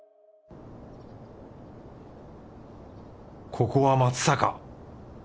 ここは松阪。